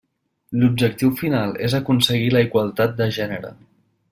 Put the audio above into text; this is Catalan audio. L'objectiu final és aconseguir la igualtat de gènere.